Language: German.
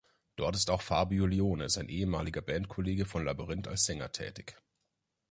Dort ist auch Fabio Lione, sein ehemaliger Bandkollege von Labyrinth als Sänger tätig.